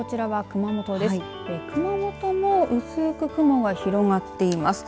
熊本も薄く雲が広がっています。